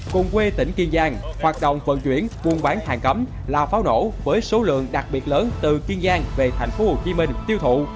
cùng quê tỉnh kiên giang hoạt động vận chuyển buôn bán hàng cấm là pháo nổ với số lượng đặc biệt lớn từ kiên giang về tp hcm tiêu thụ